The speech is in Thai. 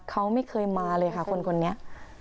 เขาไม่เคยมาเลยค่ะคนนี้